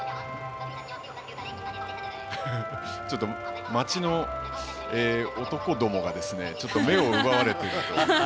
ちょっと街の男どもが目を奪われていると。